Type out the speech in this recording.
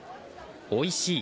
「おいしい。